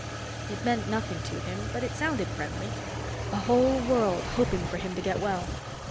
It meant nothing to him, but it sounded friendly. A whole world hoping for him to get well!